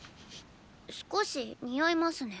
少し臭いますね。